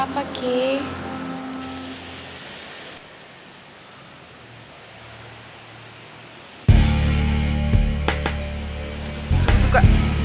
tapi pinjam sama siapa ki